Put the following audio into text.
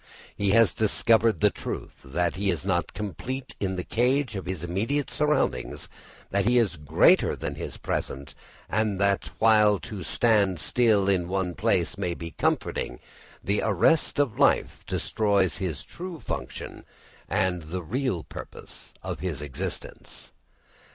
He has discovered the truth that he is not complete in the cage of his immediate surroundings, that he is greater than his present, and that while to stand still in one place may be comforting, the arrest of life destroys his true function and the real purpose of his existence.